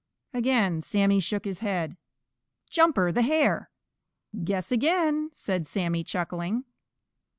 Again Sammy shook his head. "Jumper the Hare!" "Guess again," said Sammy, chuckling.